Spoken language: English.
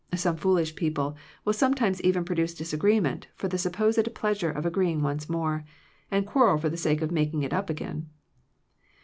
Some foolish people will some times even produce disagreement for the supposed pleasure of agreeing once more, and quarrel for the sake of making it up again.